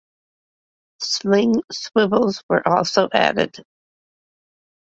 Sling swivels were also added.